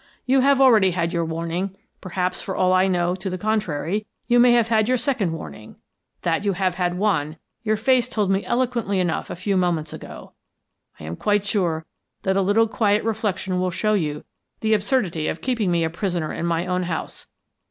You have already had your warning. Perhaps, for all I know to the contrary, you may have had your second warning; that you have had one, your face told me eloquently enough a few moments ago. I am quite sure that a little quiet reflection will show you the absurdity of keeping me a prisoner in my own house.